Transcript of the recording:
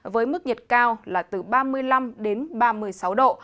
với mức nhiệt cao là từ ba mươi năm đến ba mươi sáu độ